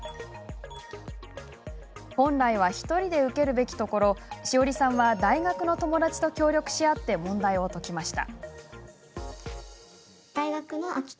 本来は１人で受けるべきところしおりさんは、大学の友達と協力し合って問題を解きました。